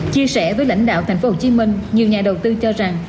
chia sẻ với lãnh đạo tp hcm nhiều nhà đầu tư cho rằng